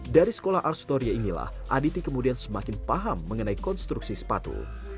dari sekolah arsutoria inilah aditi kemudian semakin paham mengenai konstruksi sepatu